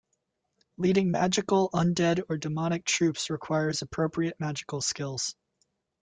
Leading magical, undead, or demonic troops requires appropriate magical skills.